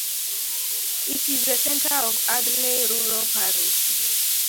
It is the centre of Audley Rural parish.